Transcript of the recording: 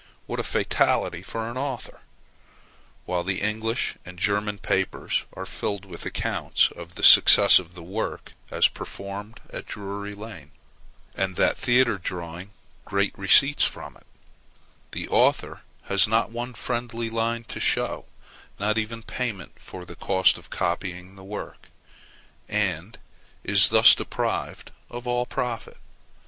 What a fatality for an author!!! While the English and German papers are filled with accounts of the success of the work, as performed at Drury Lane, and that theatre drawing great receipts from it, the author has not one friendly line to show, not even payment for the cost of copying the work, and is thus deprived of all profit.